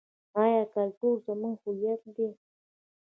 آیا کلتور زموږ هویت دی؟